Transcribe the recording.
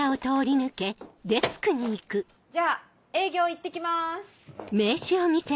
じゃあ営業いってきます。